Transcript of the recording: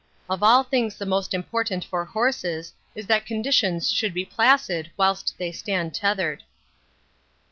Of all things the most important for horses is that conditions should be placid whilst they stand tethered.